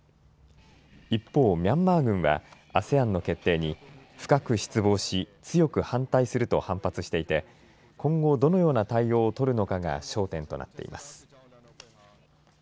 一方、ミャンマー軍はＡＳＥＡＮの決定に深く失望し、強く反対すると反発していて今後どのような対応を取るのかが焦点となっています。